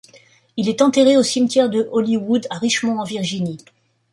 Il est enterré au cimetière de Hollywood, à Richmond, en Virginie.